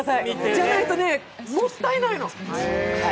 じゃないと、もったいないの。